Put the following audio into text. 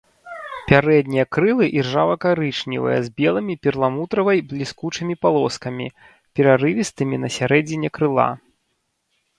Пярэднія крылы іржава-карычневыя з белымі перламутравай бліскучымі палоскамі, перарывістымі на сярэдзіне крыла.